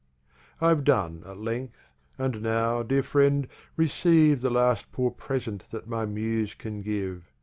I've done, at length, and now, Dear Friend, receive The last poor Present that my Muse can give.